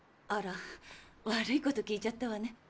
あら悪いこと聞いちゃったわね。